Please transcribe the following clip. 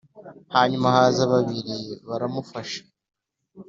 Hanyuma haza babiri baramufasha